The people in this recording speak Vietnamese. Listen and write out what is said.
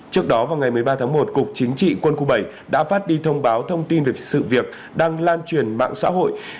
trước đó vào ngày một mươi ba tháng một cục chính trị quân khu bảy đã phát đi thông báo thông tin về sự việc đang lan truyền mạng xã hội